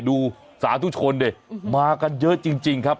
ดูสาธุชนเนี่ยมากันเยอะจริงครับ